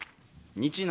日南